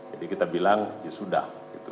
jadi kita bilang ya sudah